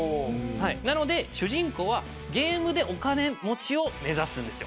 なので主人公はゲームでお金持ちを目指すんです。